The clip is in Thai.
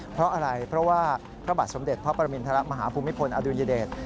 เพราะอะไรเพราะว่าพระบาทสมเด็จพระปรมินทรมาฮภูมิพลอดุญเดช